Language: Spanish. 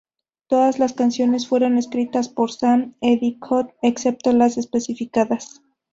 Todas las canciones fueron escritas por Sam Endicott, excepto las especificadas.